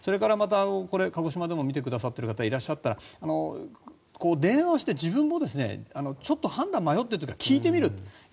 これ、鹿児島でも見てくださっている方がいらっしゃったら電話をして自分もちょっと判断に迷っている時は聞いてみる。